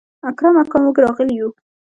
اکرم اکا موږ راغلي يو.